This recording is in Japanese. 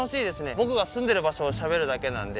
僕が住んでる場所をしゃべるだけなんで。